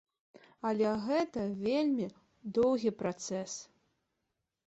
Але гэта вельмі доўгі працэс.